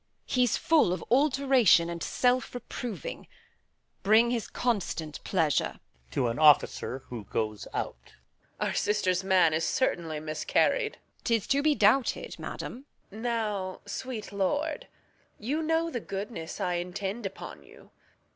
He's full of alteration And self reproving. Bring his constant pleasure. [Exit an Officer.] Reg. Our sister's man is certainly miscarried. Edm. Tis to be doubted, madam. Reg. Now, sweet lord, You know the goodness I intend upon you.